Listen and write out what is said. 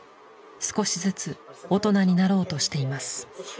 少しずつ大人になろうとしています。